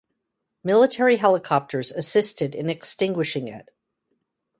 Military helicopters assisted in extinguishing it.